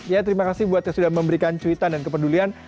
ya terima kasih buat yang sudah memberikan cuitan dan kepedulian